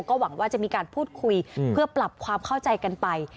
ก็หวังว่าจะมีการพูดคุยเพื่อปรับความเข้าใจกันไป